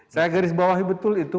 saya garis bawahi betul itu